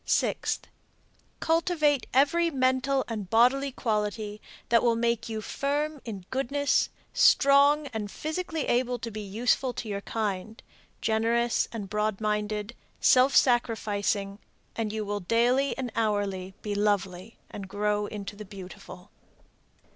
Sixth. Cultivate every mental and bodily quality that will make you firm in goodness, strong and physically able to be useful to your kind, generous and broad minded, self sacrificing, and you will daily and hourly be lovely and grow into the beautiful.